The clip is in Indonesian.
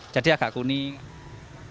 jadi agak kuning